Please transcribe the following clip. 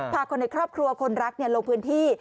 พาคนในครอบครัวคนรักลงพื้นที่